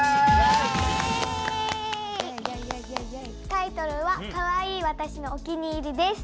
タイトルは「かわいい私のお気に入り」です。